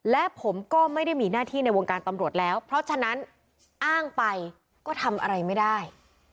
และผมก็ไม่ได้มีหน้าที่ในวงการตำรวจแล้วเพราะฉะนั้นอ้างไปก็ทำอะไรไม่ได้